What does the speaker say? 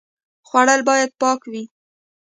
خوړل باید پاک وي